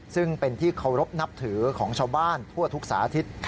ซึ่งเป็นที่เคารพนับถือของชาวบ้านทั่วทุกสาธิต